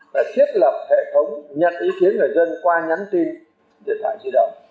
và thiết lập hệ thống nhận ý kiến người dân qua nhắn tin điện thoại di động